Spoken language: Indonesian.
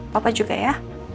papa juga ya